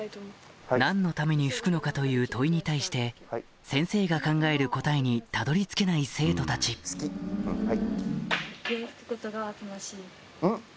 何のために吹くのかという問いに対して先生が考える答えにたどり着けない生徒たちん？